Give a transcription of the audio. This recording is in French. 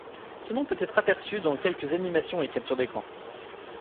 Ce nom peut être aperçu dans quelques animations et captures d'écran.